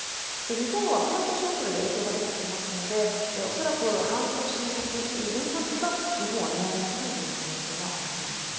日本は半年遅れで影響が出てきますので、恐らく半年先、年末が、日本は値上げのピークの可能性がありそうです。